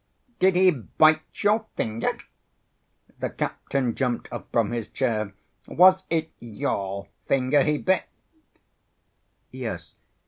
Did he bite your finger?" The captain jumped up from his chair. "Was it your finger he bit?" "Yes.